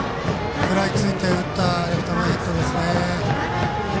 食らいついて打ったレフト前ヒットですね。